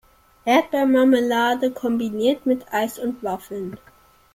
Erdbeermarmelade kombiniert mit Eis und Waffeln.